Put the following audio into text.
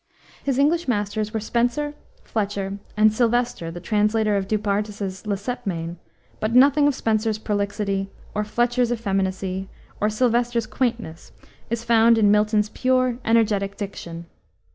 His English masters were Spenser, Fletcher, and Sylvester, the translator of Du Bartas's La Sepmaine, but nothing of Spenser's prolixity, or Fletcher's effeminacy, or Sylvester's quaintness is found in Milton's pure, energetic diction.